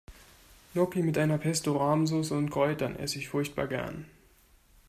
Gnocchi mit einer Pesto-Rahm-Soße und Kräutern esse ich furchtbar gern.